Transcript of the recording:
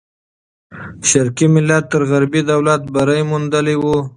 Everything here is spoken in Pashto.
شرقي ملت تر غربي دولت بری موندلی وو.